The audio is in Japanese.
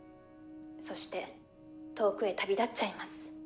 そして遠くへ旅立っちゃいます。